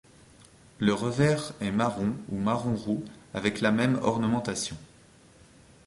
Le revers est marron ou marron-roux avec la même ornementation.